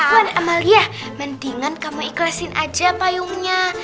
tuhan amalia mendingan kamu ikhlasin aja payungnya